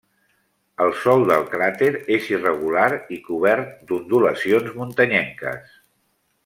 El sòl del cràter és irregular i cobert d'ondulacions muntanyenques.